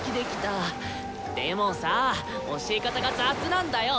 でもさぁ教え方が雑なんだよ！